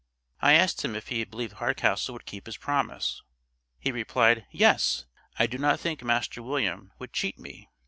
I asked him if he believed Hardcastle would keep his promise? He replied: "Yes! I do not think master William would cheat me."